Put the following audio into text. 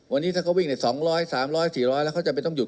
วันนี้ถ้าเขาวิ่งในสองร้อยสามร้อยสี่ร้อยแล้วเขาจะไปต้องหยุด